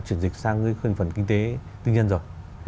chuyển dịch sang cái phần kinh tế tự nhiên rồi